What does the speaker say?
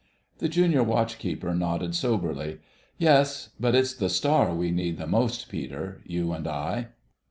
The Junior Watch keeper nodded soberly. "Yes.... But it's the star we need the most, Peter—you and I."